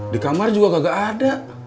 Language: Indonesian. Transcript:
di kamar juga kagak ada